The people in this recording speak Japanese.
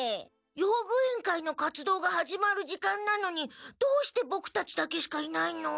用具委員会の活動が始まる時間なのにどうしてボクたちだけしかいないの？